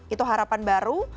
itu harapan baru